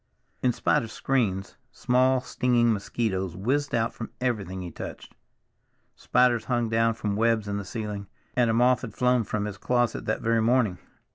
In spite of screens, small stinging mosquitoes whizzed out from everything he touched; spiders hung down from webs in the ceiling, and a moth had flown from his closet that very morning.